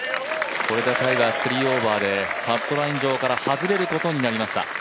これでタイガー、３オーバーでカットライン上から外れることになりました。